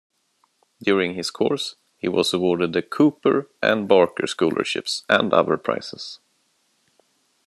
During his course he was awarded the Cooper and Barker scholarships and other prizes.